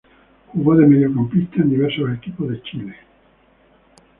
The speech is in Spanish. Jugó de mediocampista en diversos equipos Chile.